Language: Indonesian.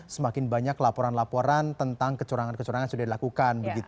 semakin banyak laporan laporan tentang kecurangan kecurangan sudah dilakukan